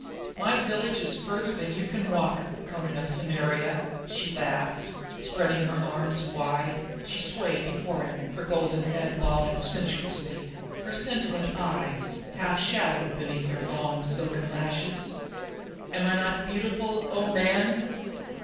"My dwelling place is further than you can walk, Amra of Akbitana!" she laughed. Spreading wide her arms she swayed before him, her golden head lolling wantonly, her scintillant eyes shadowed beneath long silken lashes. "Am I not beautiful, man?"